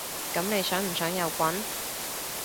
噉你想唔想有棍？